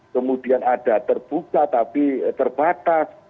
kemudian ada terbuka tapi terbatas